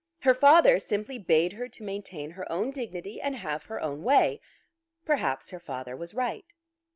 Her father simply bade her to maintain her own dignity and have her own way. Perhaps her father was right.